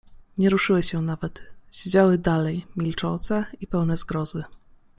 Nie ruszyły się nawet. Siedziały dalej, milczące i pełne zgrozy.